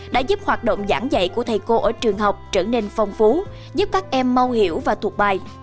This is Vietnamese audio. đã giúp hoạt động giảng dạy của thầy cô ở trường học trở nên phong phú giúp các em mau hiểu và thuộc bài